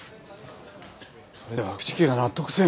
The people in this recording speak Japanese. それでは朽木が納得せん。